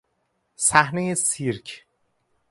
صحنهی سیرک